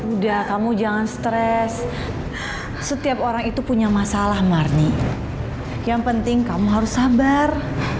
udah kamu jangan stres setiap orang itu punya masalah marni yang penting kamu harus sabar